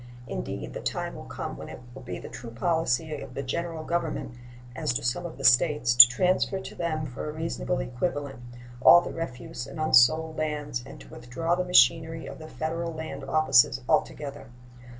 Indeed, the time will come when it will be the true policy of the General Government, as to some of the States, to transfer to them for a reasonable equivalent all the refuse and unsold lands and to withdraw the machinery of the Federal land offices altogether.